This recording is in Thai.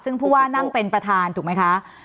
ซึ่งผู้ว่านั่งเป็นประธานถูกไหมคะ